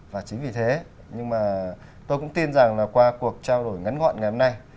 và chính vì thế nhưng mà tôi cũng tin rằng là qua cuộc trao đổi ngắn gọn ngày hôm nay